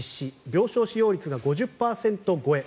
病床使用率が５０％超え